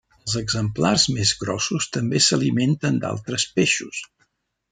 Els exemplars més grossos també s'alimenten d'altres peixos.